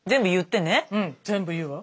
うん全部言うわ。